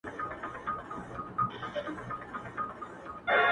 چي کرلي غزل ستوری په ا وبه کم,